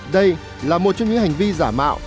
đây là một trong những hành vi giả mạo